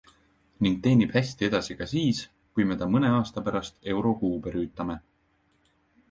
Ning teenib hästi edasi ka siis, kui me ta mõne aasta pärast euro kuube rüütame.